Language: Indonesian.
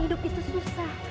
hidup itu susah